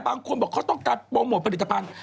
บางคนบอกเขาต้องการโปรโมทผลิตภัณฑ์